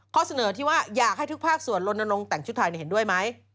ข้อเสนอที่ว่าอยากให้ทุกภาคส่วนลนลงแต่งชุดไทยเห็นด้วยไหม